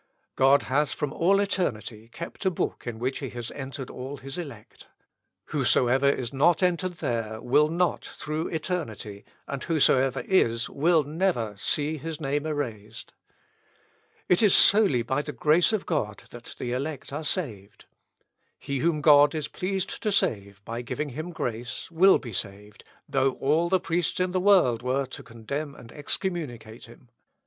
God has from all eternity kept a book in which he has entered all his elect. Whosoever is not entered there will not, through eternity; and whosoever is, will never see his name erased. It is solely by the grace of God that the elect are saved. He whom God is pleased to save, by giving him grace, will be saved, though all the priests in the world were to condemn and excommunicate him.